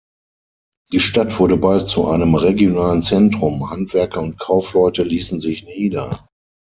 Die Stadt wurde bald zu einem regionalen Zentrum, Handwerker und Kaufleute ließen sich nieder.